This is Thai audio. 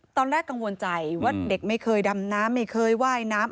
ตอนแรกกังวลใจว่าเด็กไม่เคยดำน้ำไม่เคยว่ายน้ำ